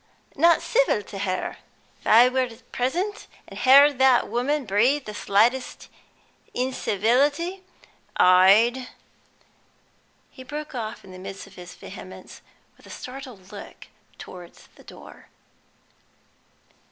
"Not civil to her? If I were present, and heard that woman breathe the slightest incivility, I'd " He broke off in the midst of his vehemence with a startled look towards the door.